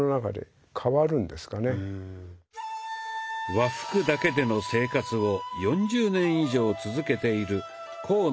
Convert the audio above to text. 和服だけでの生活を４０年以上続けている甲野